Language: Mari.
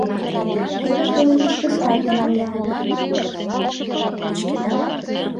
Теве пеледыш йошкаргын йӱла.